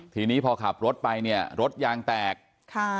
ทีนี้พอขับรถไปเนี่ยรถยางแตกค่ะ